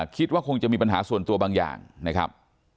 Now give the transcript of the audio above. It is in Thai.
คิดว่าคงจะมีปัญหาส่วนตัวบางอย่างนะครับ